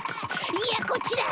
いやこっちだ！